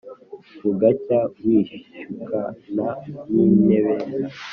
Bugacya wishyukana n'intebera.